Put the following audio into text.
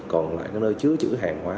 còn lại cái nơi chứa chữ hàng hóa